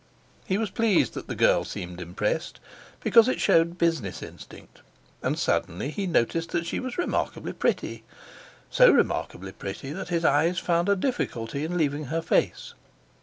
He was pleased that the girl seemed impressed, because it showed business instinct; and suddenly he noticed that she was remarkably pretty—so remarkably pretty that his eyes found a difficulty in leaving her face.